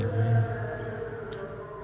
mereka akan berjalan ke tempat lain